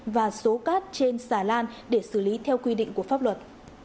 và số cát trên xà lan để xử lý theo quy định của pháp luật